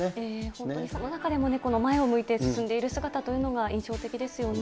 本当にその中でもね、この前を向いて進んでいる姿というのが印象的ですよね。